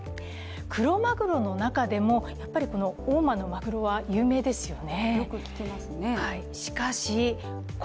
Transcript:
クロマグロの中でも、やっぱり大間のマグロは有名ですよね。